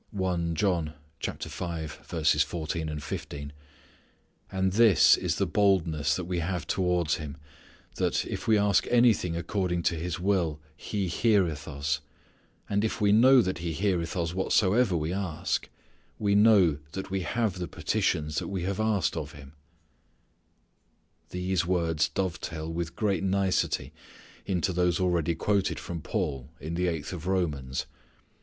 "And this is the boldness that we have towards Him, that, if we ask anything according to His will, He heareth us: and if we know that He heareth us whatsoever we ask, we know that we have the petitions that we have asked of Him." These words dovetail with great nicety into those already quoted from Paul in the eighth of Romans.